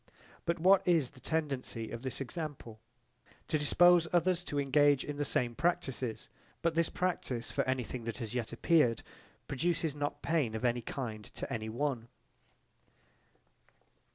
But what is the tendency of this example? To dispose others to engage in the same practises: but this practise for anything that has yet appeared produces not pain of any kind to any one.